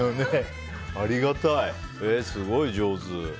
ありがたい、すごい上手。